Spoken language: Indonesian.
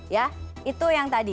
ya itu yang tadi